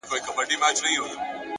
ریښتینی قوت له اصولو ساتنې ښکاري’